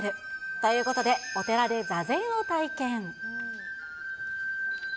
ということで、お寺で座禅を体験。